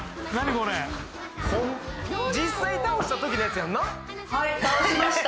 これ実際倒したときのやつやんなはい倒しました